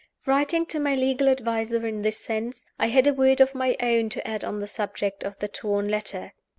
Writing to my legal adviser in this sense, I had a word of my own to add on the subject of the torn letter.